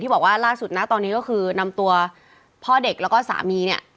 บอกว่าล่าสุดนะตอนนี้ก็คือนำตัวพ่อเด็กแล้วก็สามีเนี่ย